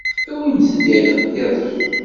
Awimt-d iḍan-nwent.